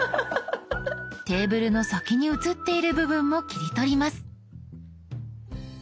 テーブルの先に写っている部分も切り取ります。